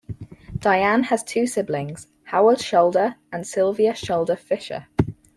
Diane has two siblings, Howard Schulder and Sylvia Schulder Fisher.